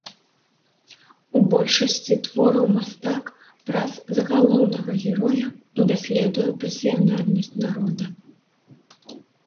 У большасці твораў мастак праз загалоўнага героя даследуе пасіянарнасць народа.